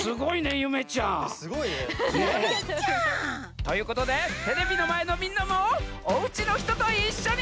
ゆめちゃん！ということでテレビのまえのみんなもおうちのひとといっしょに。